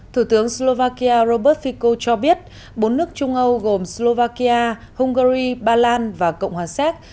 thủ tướng slovakia robert fico cho biết bốn nước trung âu gồm slovakia hungary ba lan và cộng hòa séc